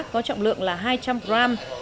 có trọng lượng là hai trăm linh gram